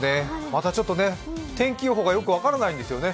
またちょっと天気予報がよく分からないんですよね。